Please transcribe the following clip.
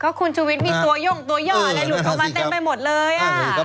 ก็คุณชุวิตมีตัวย่องตัวย่ออะไรหลุดมาเต็มไปหมดเลยอะ